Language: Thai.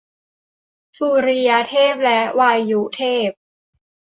สุริยเทพและวายุเทพ